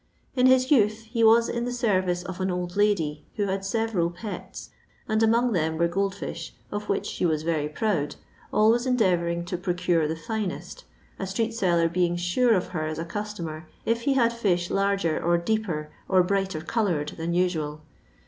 In his youth he was in the service of an old lady who nad several pets, and among them were gold fish, of which she was very proud, always endeavour ing to procure the finest, a street seller being sure of her as a customer if he had fish larger or deeper or brighterK:oloured than usual.